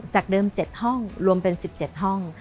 จากเดิม๗ห้องรวมเป็น๑๗ห้อง